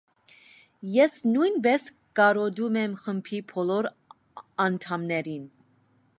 Ես նույնպես կարոտում եմ խմբի բոլոր անդամներին։